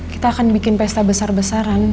kita akan bikin pesta besar besaran